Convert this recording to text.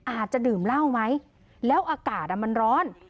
อาจจะดื่มเหล้าไหมแล้วอากาศมันร้อน